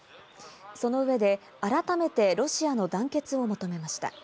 その上で改めてロシアの団結を求めました。